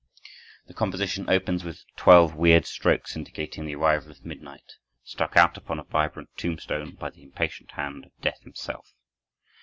The composition opens with twelve weird strokes indicating the arrival of midnight, struck out upon a vibrant tombstone by the impatient hand of Death himself.